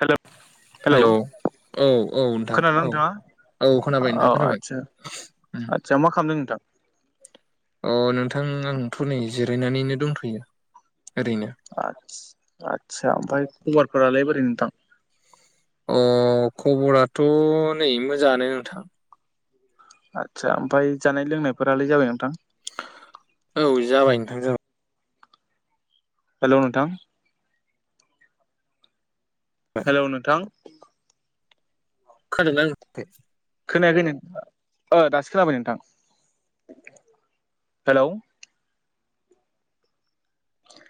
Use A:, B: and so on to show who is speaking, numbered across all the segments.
A: हेल' hello
B: hello औ औ नोंथां
A: खोनादोंना
B: औ
A: नोंथाङा
B: औ खोनाबाय
A: औ
B: नोंथां खोनाबाय
A: आदसा आदसा मा खालामदों नोंथां
B: अ नोंथां आंथ' नै जिरायनानैनो दंथ'यो ओरैनो
A: आ आस्सा ओमफ्राय खबरफोरालै बोरै नोंथां
B: अ खबराथ' नै मोजाङानो नोंथां
A: आदसा ओमफ्राय जानाय लोंनायफोरालाय जाबाय नोंथां
B: औ जाबाय नोंथां जाबाय
A: हेल' नोंथां
B: जाबाय
A: हेल' नोंथां
B: खोनादों ना
A: खोनायाखै नथ दासो खोनाबाय नोंथां हेलौ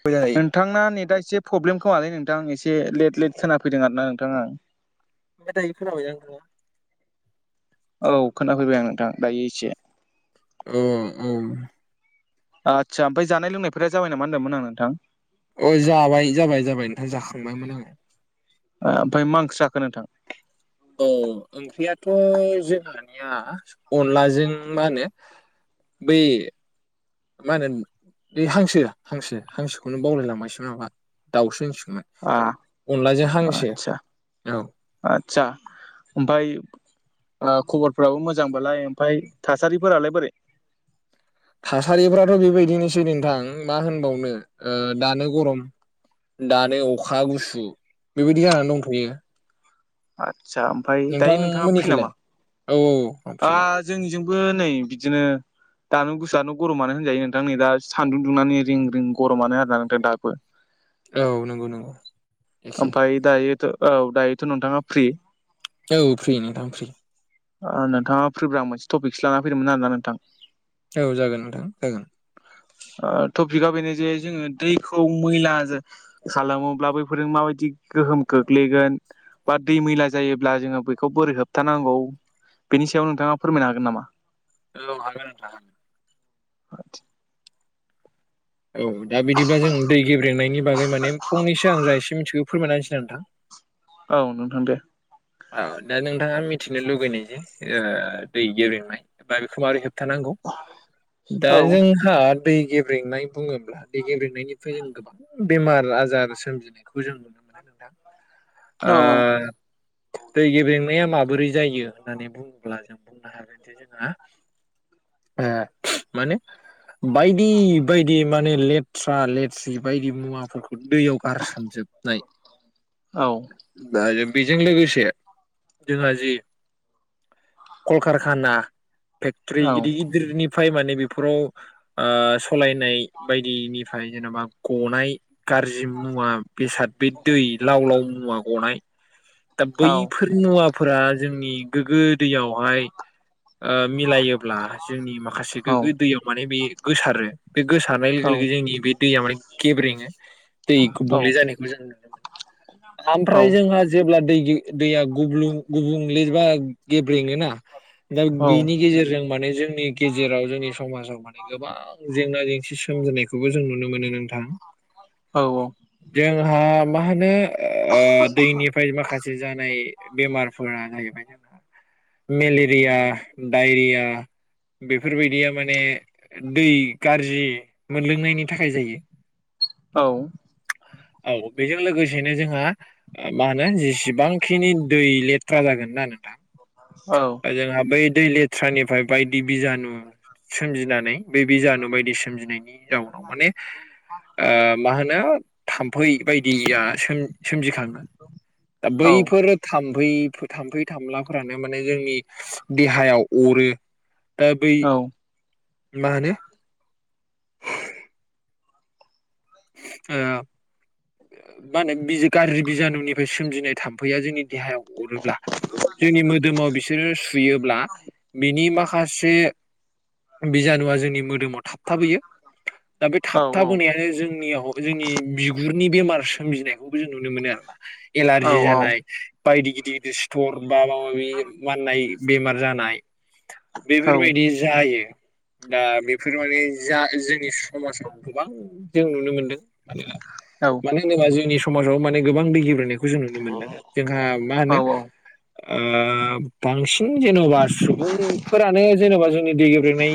B: फजायो
A: नोंथांना नेटआ एसे प्रब्लम खोमालै नोंथां एसे लेट लेट खोना फैदों आर ना नोंथाङा
B: मोजाङै खोनाबाय ना
A: औ खोनाफैबाय आं नोंथां दायो एसे
B: उम उम
A: आदसा ओमफ्राय जानाय लोंनायफोरा जाबाय नामा होनदोंमोन आं नोंथां?
B: अ जाबाय जाबाय जाबाय नोंथां जाखांबायमोन आङो
A: ओमफ्राय मांखो जाखो नोंथां
B: औ ओंख्रियाथ' जोंहानिया अनलाजों मा होनो बै मा होनो बे हांसो हांसो हांसोखौनो बावलायलांबायसोमोन नाबा दाउसो होनसगोमोन।
A: आ
B: अनलाजों हांसो औ
A: आतसा बाय खबरफोराबो मोजांबालाय ओमफफ्राय थासारिफोरालाय बोरै
B: थासारिफ्राथ' बेबायदिनोसै नोंथां मा होनबावनो दानो गरम दानो अखा गुसु बेबायदि जानानै दंथ'यो।
A: आदसा ओमफफ्राय दायो नोंथाङा फ्रि नामा?
B: नोंथांमोननिखैलाय औ आं
A: ओ
B: फ्रिमोन
A: जोंनि जोंबो नै बिदिनो दानो गुसुआानो गरमानो होनजायो नोंथां नै दा सान्दुं दुंनानै रिं रिं गरमानो आरो नोंथां दाबो
B: औ नंगौ नंगौ एखे
A: ओफाय दायो औ दायोथ' नोंथाङा फ्रि
B: औ फ्रि नोंथां फ्रि
A: नोंथाङा फैब्रा मोनसे टपिकसो लान फैदोंमोन आरोना नोंथां।
B: औ जागोन नोंथां जागोन
A: टपिका बेनो जे जोङो दैखौ मैला खालामोब्ला बैफोरजों माबायदि गोहोम खोख्लैगोन बा दै मैला जायोब्ला जोङो बेखौ बोरै होबथानांगौ। बेनि सायाव नोंथाङा फोरमायनो हागोन नामा?
B: औ हागोन नोंथां।
A: [inaudible]
B: औ दा बिदिब्ला जों दै गेब्रेंनायनि बागै माने फंनैगां जा एसे मिनथिगौ फोरमायना होनोसै ना नोंथां।
A: औ नोंथां दे
B: दा नोंथाङा मिथिनो लुुबैनाय जे दै गनाय बा बेखौ माबारैहाय थानांगौ
A: औ
B: दा जों हा दै गेब्रेंनाय बुङोब्ला दै गेब्रेेंनायनिफ्राय जों गोबां बेमार आजार सोमजिनायखौ जों नुनो मोनो नोंथां।
A: औ औ
B: ओ दै गेब्लेंनाया माबोरै जायो होननानै बुङोब्ला जों बुंनो हायो। जोंहा ओ माने बायदि बायदि माने लेथ्रा लेथ्रि बायदि मुवाफोरखौ दैयाव बारसोमजोबनाय बेजों लोगोसे जोंहा जि कलकारखाना फेक्टर गिदिर गिदिरनिफ्राय माने बेफोराव सालायनाय बायदिनि फ्राय जेनबा गनाय गाज्रि मुवा बेसाद बे दै लाव लाव मुवा गनाय दा बैफोर मुवाफोरा जोंनि गोग्गो दैयावहाय मिलायोब्ला जोंनि माखासे गोग्गो दैयाव माने बे गोसारो बे गोसारनाय लोगो लोगो जोंनि बे दैया माने गेब्रेङो दै गुबुंले जानायखौ जों नुनो मोनो। ओमफ्राय जोंहा जेब्ला दै दैया गुबुंलेबा गेब्रेङोना दा बिनि गेजेरजों माने जोंनि गेजेराव जोंनि समाजाव माने गोबां जेंना जेंसि सोमजिनायखौबो जों नुनो मोनो नोंथां।
A: औ औ
B: जोंहा मा होनो दैनिफ्राय माखासे हाय बेमारफोरा जाहैबाय जोंना मेलेरिया डायरिया बेफोरबायदिया माने दै गाज्रि मोनलोंनायनि थाखाय जायो
A: औ
B: औ बेजों लोगोसेनो जोंहा मा होनो जेसेबांखिनि दै लेथ्रा जागोन ना नोंथां
A: औ
B: जोंहा बै दै लेथ्रानिफ्राय बायदि बिजानु सोमजिनानै बे बिजानु बायदि सोमजिनायनि जाउनाव माने ओ मा होनो थाम्फै बायदिया सोमजि सोमजिखाङो दा बैफोर थामफै थाम्फै थामलाफोरानो माने जोंनि देहायाव अरो दा बै मा होनो ओ मा होनो बिजु गाज्रि बिजानुनिफ्राय सोमजिनाय थाम्फैया जोंनि देहायाव अरोब्ला जोंनि मोदोमाव बिसोरो सुयोब्ला बिनि माखा माखासे बिजानुआ जोंनि मोदोमाव थाबथाबोयो दा बे थाबथाबोनायानो जोंनियाव जोंनि बिगुरनि बेमार सोमजिनायखौबो जों नुनो मोन आरो ना
A: औ
B: एलारजि जानाय बायदि गिदिर गिदिर सिथर बा माबा मि माननाय बेमार जानाय
A: औ
B: बेफोरबायदि जायो दा बेफोर माने जा जोंनि समाजाव गोबां जों नुनो मोनदों माने
A: औ
B: मानो होनोबा जोंनि समाजाव माने गोबां दै गिब्रेंनायखौ जों नुनो मोनदों जोंहा मा होनो ओ बांसिन जेन'बा सुबुंफोरानो जेनेबा जोंनि दै गेब्रेंनाय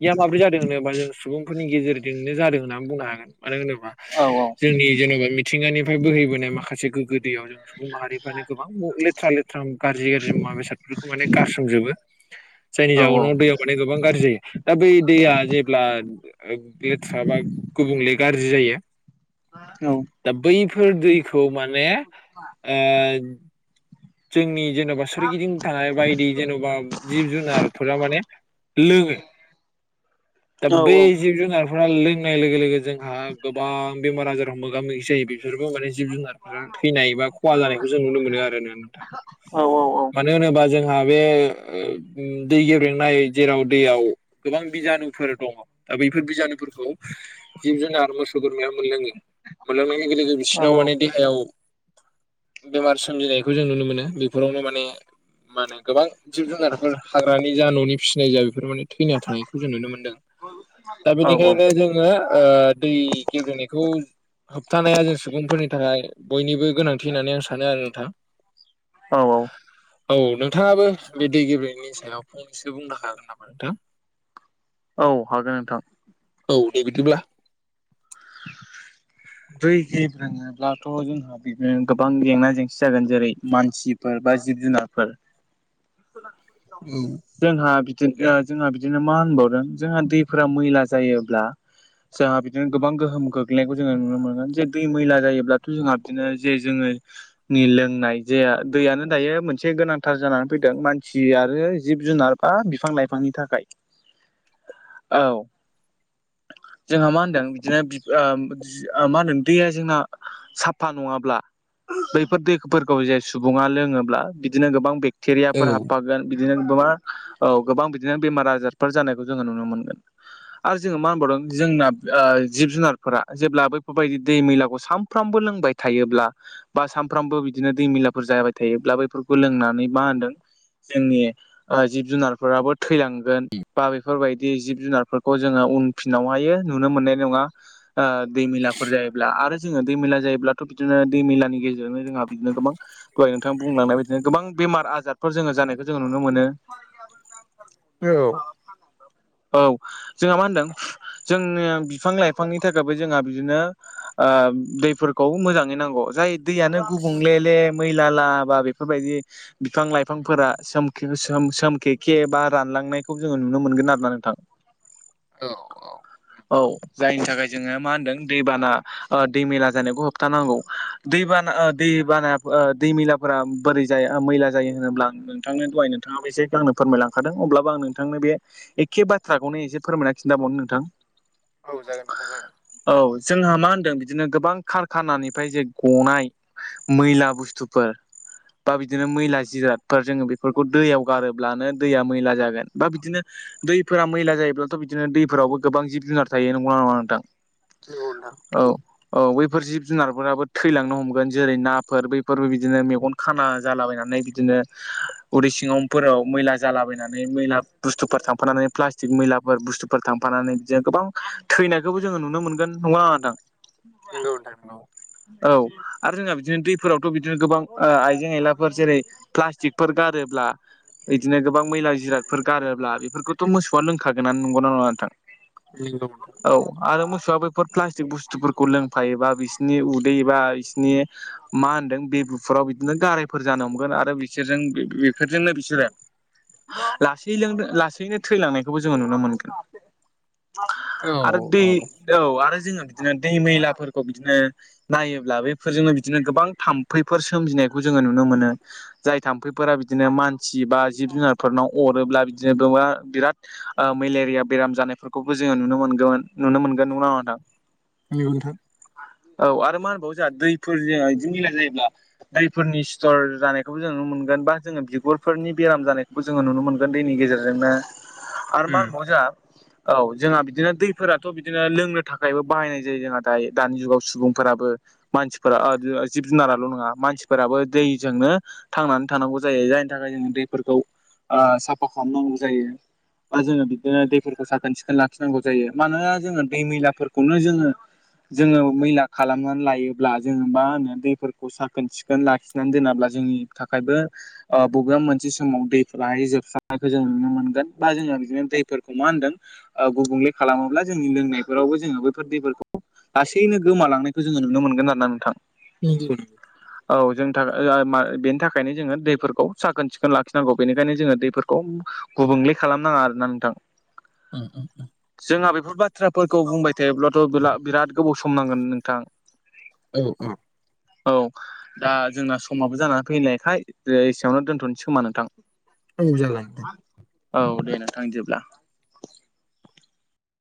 B: फैया माब्रै जादों होनोबा जों सुबुंफोरनि गेजेरजोंनो जादों होननानै बुंनो हागोन मानो होनोबा
A: औ औ
B: जोंनि जेन'बा मिथिंगानिफ्राय बोहैबोनाय माखासे गोगो दैयाव जों सुबुं माहारिफ्रानो गोबां लेथ्रा लेथ्रा गाज्रि गाज्रि मुवा बेसादफोरखौ माने गारसोमजोबो। जायनि जाउनाव
A: हागोन
B: दैया माने गोबां गाज्रि जायो दा बै दैया जेब्ला ओ लेथ्रा बा गुबुंले गाज्रि जायो।
A: औ
B: दा बैफोर दैखौ माने ओ जोंनि जेन'बा सोरगिदिं थानाय बायदि जेन'बा जिब जुनारफोरा माने लोङो दा बै जिब जुनारफोरा लोंनाय लोगो लोगो जोंहा गोबां बेमार आजाराव मोगा मोगि जायो बे बिसोरबो माने जिब जुनारफोरा थैनाय एबा खहा जानायखौ जों नुनो मोनो आरोना मानो होनोबा जोंहा बे दै गेब्रेंनाय जेराव दैयाव गोबां बिजानुफोर दङ दा बैफोर बिजानुफोरखौ जिब जुनार मोसौ बोरमाया मोनलोङो मोनलोंनाय लोगो लोगो बिसिनाव माने देहायाव बेमार सोमजिनायखौ जों नुनो मोनो बेफोरावनो माने मा होने गोबां जिब जुनारफोर हाग्रानि जा न'नि फिसिनाय जा बेफोर माने थैना थानायखौ जों नुनो मोनदों दा बेनिखायनो जोङो ओ दै गेब्रेंनायखौ होबथानाया जों सुबुंफोरनि थाखाय बयनिबो गोनांथि होननानै आं सानो आरो नोंथां
A: औ औ
B: औ नोंथाङाबो बे दै गेब्रेंनायनि सायाव फंनैसो बुंनो हागोन नामा नोंथां
A: औ हागोन नोंथां
B: औ दे बिदिब्ला
A: [inaudible] [unintelligible] ब्लाथ' जोंहा बिदिनो गोबां जेंना जेंसि जागोन जेरै मानसि फोर बा जिब जुनारफोर
B: औ
A: जोंहा बिदि जोंहा बिदिनो मा होनबावदों जोंहा दैफोरा मैला जायोब्ला। सेहा बि गोबां गोहोम गोग्लैनायखौ जोङो नुनो मोनगोन जे दै मैला जायोब्लाथ' जोंहा बिदिनो जे जोङो। नि लोंनाय जे दैयानो दायो मोनसे गोनांथार जानानै फैदों मानसिय आरो जिब-जुनार बा बिफां-लाइफांनि थाखाय। औ जोंहा मा होनदों? बिदिनो मा होनो दैया जोंना साफा नङाब्ला बैफोर दैफोरखौ जे सुबुङा लोङोब्ला बिदिनो गोबां बे
B: औ
A: चिरियापुर हाबागोन बिदिनो म मा औ गोबां बिदिनो बेमार आजारफोर जानायखौ जोङो नुनो मोनगोन। आरो जोङो मा होनबावदों जोंना। जिब जुनारफोरा जेब्ला बैफोरबायदि दै मैलाखौ सानफ्रामबो लोंबाय थायोब्ला। बा सानफ्रामबो बिदिनो दैमिलाफोर जाहाय थायोब्ला बैफोरखौ लोंनानै मा होनदों जोंनि। जिब जुनारफोराबो थैलांगोन। बा बेफोरबायदि जिब जुनारफोरखौ जोङो उनफिनावहायो नुनो मोननाय नङा। दैमिलाफोर जायोब्ला आरो जोङो दैमेला जायोब्लाथ' बिदिनो दै मेलानि गेजेरनो जोंहा बिदिनो गोबां। दहाय नोंथां बुंलांनाय बिदिनो गोबां बेमार आजारफोर जोङो जानायखौ जोङो नुनो मोनो।
B: औ।
A: औ जोंहा मा होनदों जोंनि बिफां-लाइफां बिफांनि थाखायबो जोंहा बिदिनो। दैफोरखौ मोजाङै नांगौ जाय दैयानो गुबुंले ले मैला ला बा बेफोरबायदि। बिफां लाइफांफोरा स सोम खे खे बा रानलांनायखौ जोङो नुनो मोनगोन आरोना नोंथां। [inaudible]
B: औ
A: औ जायनि थाखाय जोङो मा होनदों दैबाना। दैमेला जानायखौ होबथानांगौ दैबाना दै बाना दैमेला। बोरै जाया मैला जायो होनोब्लां नोंथांनि दहाय नोंथाङाबो एसे आंनो फोरमायलांखादों अब्लाबो आं नोंथांनो बे। एखे बाथ्राखौनो एसे फोरमायना खिन्थाबावनो नोंथां।
B: औ जागोन नोंथाय जागोन।
A: औ जोंहा मा होनदों बिदिनो गोबां खारखानानिफ्राय जे गनाय मैला बुस्थुफोर बा बिदिनो मैला जिरादफोर जोङो बेफोरखौ दैयाव गारोब्लानो दैया मैला जागोन बा बिदिनो। दैफोरा मैला जायोब्लाथ' बिदिनो दैफोरावबो गोबां जिब जुनार थायो नंगौना नङा नोंथां।
B: बेदा।
A: औ औ बैफोर जिब जुनारफोराबो थैलांनो हमगोन जेरै नाफोर बैफोरबो बिदिनो मेगन। खाना जालाबायनानै बिदिनो उरै सिङावफोराव मैला जालाबायनानै मैला बुस्थुफोर थांफानानै प्लास्टिक मैलाफोर बुस्थुफोर थांफानानै बिदिनो गोबां। थैनायखौबो जोङो नुनो मोनगोन नङादां
B: नंगौ नोंथां नंगौ।
A: औ आरो जोंहा बिदिनो दैफोरावथ' बिदिनो गोबां आइजें आयलाफोर जेरै प्लास्टिकफोर गारोब्ला। बिदिनो गोबां मैला जिरादफोर गारोब्ला बेफोरखौथ' मोसौआ लोंखागोनना नंगौना नङा नोंथां।
B: नंगौ।
A: औ आरो मोसौआ बेफोर प्लास्टिक बुस्थुफोरखौ लोंफायोबा बिसिनि उदै बा बिसोरनि मा होनदों बेबुफुराव बिदिनो गारायफोर जानो हमगोन आरो बिसोरजों बेफोरजोंनो बिसोरो। लासै लों लासैनो थैलांनायखौबो जोङो नुनो मोनगोन।
B: औ
A: आरो दै
B: औ
A: औ आरो जोङो बिदिनो दै मैलाफोरखौ बिदिनो नायोब्ला बेफोरजोंनो बिदिनो गोबां थाम्फैफोर सोमजिनायखौ जोङो नुनो मोनो। जाय थाम्फैफोरा बिदिनो मानसि बा जिब- जुनारफोरनाव अरोब्ला बिदिनो बिराद मेलेरिया बेराम जानायफोरखौबो जोङो नुनो मोनगोन नुनो मोनगोन नङ नाोंथां?
B: मानि गोनांथार।
A: औ आरो मा होनबावो जोंहा दैफोर ज बिदि मिला जायोब्ला दैफोरनि सिथर जानायखौबो जों नुनो मोनगोन बा जोङो बिगुरफोरनि बेराम जानायखौ जोङो नुनो मोनगोन दैनि गेजेरजोंनो आरो मा
B: उम
A: होनबाव जों औ जोंहा बिदिनो दैफोराथ' बिदिनो लोंनो थाखायबो बाहायनाय जायो जोंहा दायो दानि जुगाव सुबुंफोराबो मानसिफोरा जिब जुनाराल' नङा मानसिफोराबो दैजोंनो थांनानै थानांगौ जायो जायनि थाखाय जोङो दैफोरखौ साफा खालामनांगौ जायो। बा जोङो बिदिनो दैफोरखौ खोन सिखोन लाखिनांगौ जायो मानोना जोङो दै मैलाफोरखौनो जोङो। जोङो मैला खालामनानै लायोब्ला जोङो मा होनो दैफोरखौ साखोन सिखोन लाखिनानै दोनाब्ला जोंनि थाखायबो बबेबा मोनसे समाव दैफोराहाय जोबस्रांनायखौ जों नुनो मोनगोन बा जोङो बिदिनो दैफोरखौ मा होनदों। गुबुंले खालामोब्ला जोंनि लोंनायफोरावबो जोङो बैफोर दैफोरखौ लाासैनो गोमालांनायखौ जोङो नुनो मोनगोन आरोना नोंथां।
B: बि
A: औ जोंनि थाखाय बेनि थाखायनो जोङो दैफोरखौ साखोन सिखोन लाखिनांगौ बेनिखायनो जोङो दैफोरखौ एदम गुबुंले खालामनाङा आरो ना नोंथां।
B: [inaudible]
A: जोंहा बेफोर बाथ्राफोरखौ बुंबाय थायोब्लाथ' बिराद गोबाव सम नांगोन नोंथां।
B: औ औ।
A: औ दा जोंना समाबो जानानै फैनायायखाय एसेयावनो दोन्थ'नोसोमा नोंथां।
B: औ जागोन।
A: औ दे नोंथां बिदिब्ला।